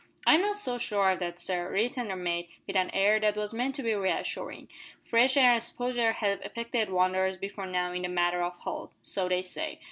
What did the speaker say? "I'm not so sure o' that sir," returned the mate, with an air that was meant to be reassuring; "fresh air and exposure have effected wonders before now in the matter of health so they say.